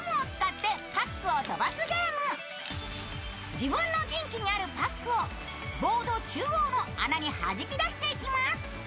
自分の陣地にあるパックをボード中央の穴に弾き出していきます。